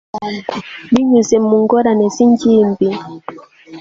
binyuze mu ngorane zingimbi